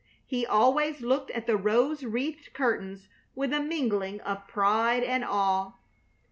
He always looked at the rose wreathed curtains with a mingling of pride and awe.